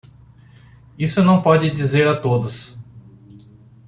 Isso não pode dizer a todos